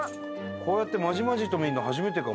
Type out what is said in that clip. こうやってまじまじと見るの初めてかも。